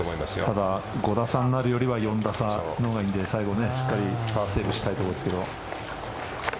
ただ、５打差になるよりは４打差のほうがいいので最後パーセーブしたいところですけど。